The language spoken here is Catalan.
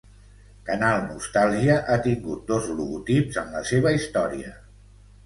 Canal Nostàlgia ha tingut dos logotips en la seva història.